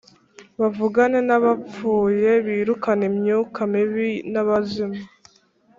bavugane n’abapfuye; birukane imyuka mibi n’abazimu